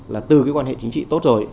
là từ cái quan hệ chính trị tốt rồi